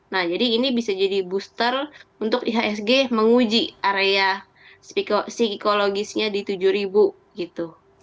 nah jadi ini bisa jadi booster untuk ihsg menguji area psikologisnya di tujuh ribu gitu